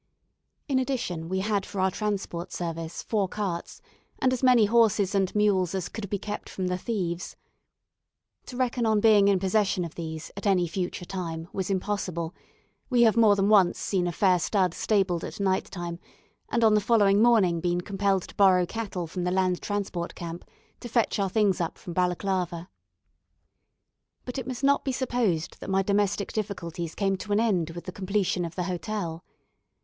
In addition, we had for our transport service four carts, and as many horses and mules as could be kept from the thieves. To reckon upon being in possession of these, at any future time, was impossible; we have more than once seen a fair stud stabled at night time, and on the following morning been compelled to borrow cattle from the Land Transport camp, to fetch our things up from Balaclava. But it must not be supposed that my domestic difficulties came to an end with the completion of the hotel.